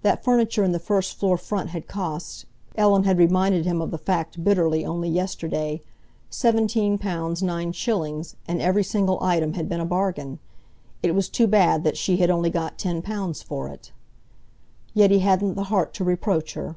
That furniture in the first floor front had cost—Ellen had reminded him of the fact bitterly only yesterday—seventeen pounds nine shillings, and every single item had been a bargain. It was too bad that she had only got ten pounds for it. Yet he hadn't the heart to reproach her.